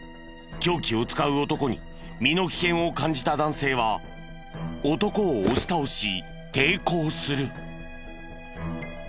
凶器を使う男に身の危険を感じた男性は男を押し倒し抵抗する。